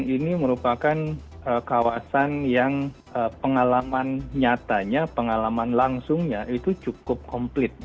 ini merupakan kawasan yang pengalaman nyatanya pengalaman langsungnya itu cukup komplit